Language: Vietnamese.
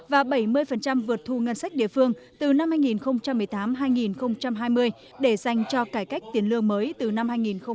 và bảy mươi vượt thu ngân sách địa phương từ năm hai nghìn một mươi tám hai nghìn hai mươi để dành cho cải cách tiền lương mới từ năm hai nghìn hai mươi